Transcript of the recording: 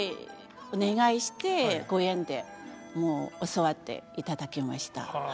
お願いしてご縁でもう教わっていただきました。